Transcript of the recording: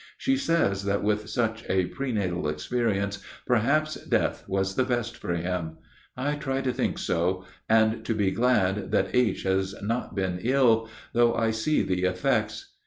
She says that with such a prenatal experience perhaps death was the best for him. I try to think so, and to be glad that H. has not been ill, though I see the effects.